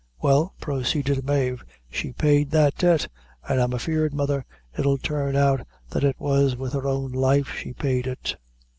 Well," proceeded Mave, "she paid that debt; but I'm afeard, mother, it'll turn out that it was with her own life she paid it."